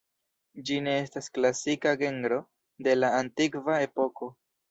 Ĝi ne estas klasika genro de la antikva epoko.